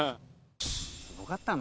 すごかったな。